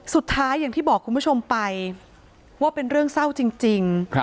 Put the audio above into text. สุดท้ายอย่างที่บอกคุณผู้ชมไปว่าเป็นเรื่องเศร้าจริง